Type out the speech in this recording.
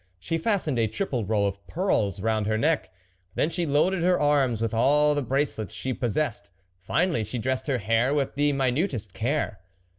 She fastened a triple row of pearls round her neck. Then she loaded her arms with all the bracelets she possessed. Finally she dressed her hair with the minutest care.